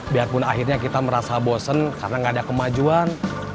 biarpun akhirnya kita merasa bosen karena gak ada kemajuan